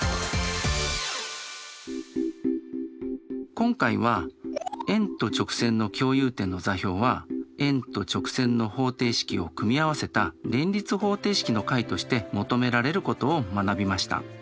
今回は円と直線の共有点の座標は円と直線の方程式を組み合わせた連立方程式の解として求められることを学びました。